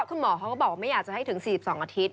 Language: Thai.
คุณหมอเขาก็บอกว่าไม่อยากจะให้ถึง๔๒อาทิตย